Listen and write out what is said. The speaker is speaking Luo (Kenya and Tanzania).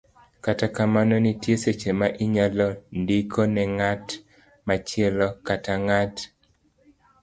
Kata kamano, nitie seche ma inyalo ndiko ne ng'at machielo, kaka ng'at .